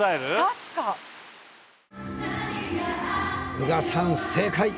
宇賀さん正解！